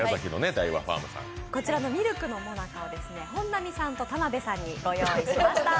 こちらのミルクのもなかを本並さんと田辺さんにご用意しました。